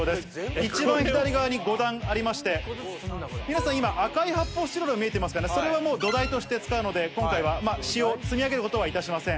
一番左側に５段ありまして、皆さん今、赤い発泡スチロール見えてますかね、それはもう土台として使うので、今回は使用、積み上げることはしません。